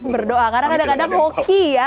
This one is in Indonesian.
berdoa karena kadang kadang hoki ya